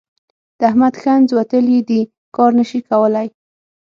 د احمد ښنځ وتلي دي؛ کار نه شي کولای.